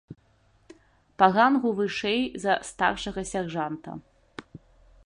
Па рангу вышэй за старшага сяржанта.